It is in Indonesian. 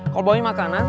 kalau bawain makanan